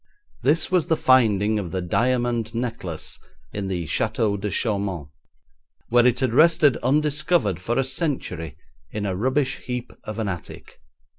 This was the finding of the diamond necklace in the Château de Chaumont, where it had rested undiscovered for a century in a rubbish heap of an attic.